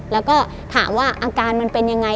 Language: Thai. แล้วก็ถามว่าอาการมันเป็นยังไง